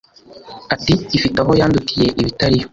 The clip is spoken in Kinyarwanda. Ati: “Ifite aho yandutiye ibitari yo!